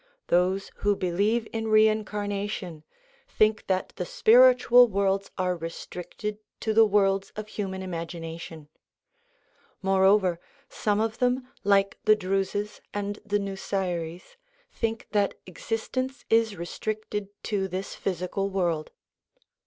Those who believe in rein carnation think that the spiritual worlds are restricted to the worlds of human imagination. Moreover, some of them, like the Druses and the Nusairis, think that existence is restricted to this physical world.